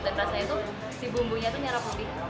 dan rasanya tuh si bumbunya tuh nyerap lebih